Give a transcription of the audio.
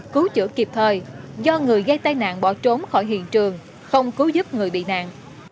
cứu chữa kịp thời do người gây tai nạn bỏ trốn khỏi hiện trường không cứu giúp người bị nạn